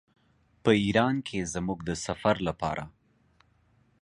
په ایران کې زموږ د سفر لپاره.